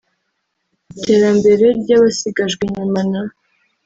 Iteramber ry’abasigajwe inyuma n